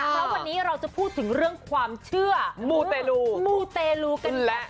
เพราะวันนี้เราจะพูดถึงเรื่องความเชื่อมูเตลูมูเตลูกันแล้ว